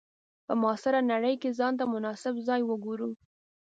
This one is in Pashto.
په معاصره نړۍ کې ځان ته مناسب ځای وګورو.